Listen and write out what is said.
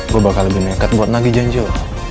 gue bakal lebih neket buat nagih janjil